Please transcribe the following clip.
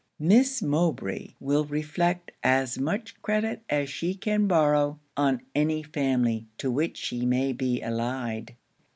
Miss Mowbray will reflect as much credit as she can borrow, on any family to which she may be allied.'